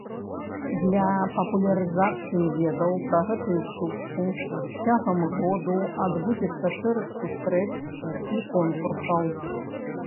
Для папулярызацыі ведаў пра гэтую птушку цягам году адбудзецца шэраг сустрэч і конкурсаў.